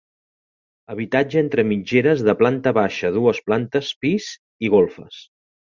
Habitatge entre mitgeres de planta baixa, dues plantes pis i golfes.